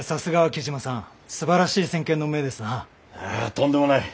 とんでもない。